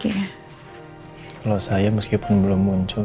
kalau saya meskipun belum muncul